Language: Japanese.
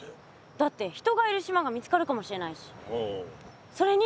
だって人がいる島が見つかるかもしれないし。